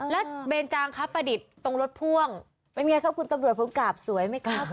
แล้วเบนจางครับประดิษฐ์ตรงรถพ่วงเป็นไงครับคุณตำรวจผมกราบสวยไหมครับ